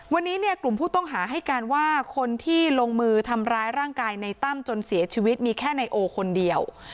วันนี้เนี่ยกลุ่มผู้ต้องหาให้การว่าคนที่ลงมือทำร้ายร่างกายในตั้มจนเสียชีวิตมีแค่ในโอคนเดียว